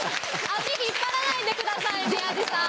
足引っ張らないでください宮治さん！